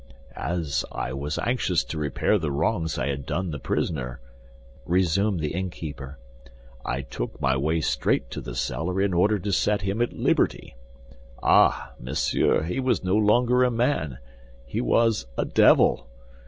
"As I was anxious to repair the wrongs I had done the prisoner," resumed the innkeeper, "I took my way straight to the cellar in order to set him at liberty. Ah, monsieur, he was no longer a man, he was a devil!